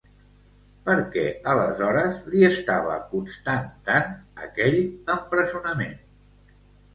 Per què, aleshores, li estava costant tant aquell empresonament?